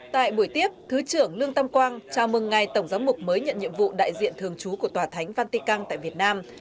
tại buổi tiếp thứ trưởng lương tam quang chào mừng ngài tổng giám mục mới nhận nhiệm vụ đại diện thường chú của tòa thánh vatican tại việt nam